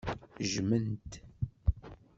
Jjmen-t.